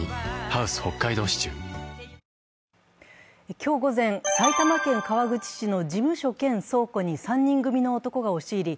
今日午前、埼玉県川口市の事務所兼倉庫に３人組の男が押し入り、